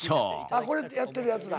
あこれやってるやつだ。